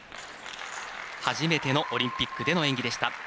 初めてのオリンピックでの演技でした。